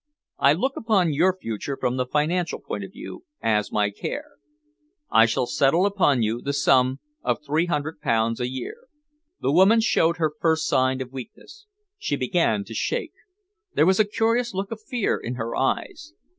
I look upon your future from the financial point of view, as my care. I shall settle upon you the sum of three hundred pounds a year." The woman showed her first sign of weakness. She began to shake. There was a curious look of fear in her eyes.